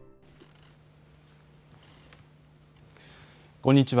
こんにちは。